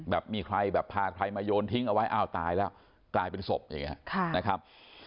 แบบมีใครแบบพาใครมาโยนทิ้งเอาไว้อ้าวตายแล้วกลายเป็นศพอย่างนี้นะครับ